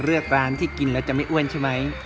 เลือกร้านที่กินแล้วจะไม่อ้วนใช่ไหม